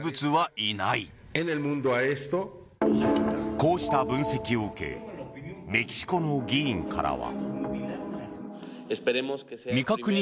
こうした分析を受けメキシコの議員からは。